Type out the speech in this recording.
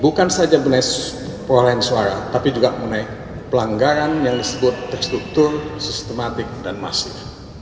bukan saja mengenai perolehan suara tapi juga mengenai pelanggaran yang disebut terstruktur sistematik dan masif